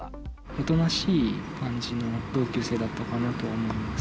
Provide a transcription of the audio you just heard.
おとなしい感じの同級生だったかなと思います。